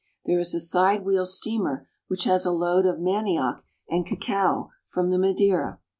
There is a side wheel steamer which has a load of manioc and cacao from the Madeira.